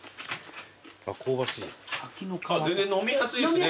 全然飲みやすいですね。